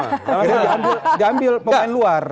gak ambil pemain luar